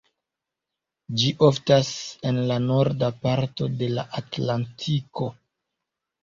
Ĝi oftas en la norda parto de la atlantiko.